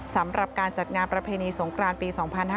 สำหรับการจัดงานแผนีสงกรานปี๒๕๕๙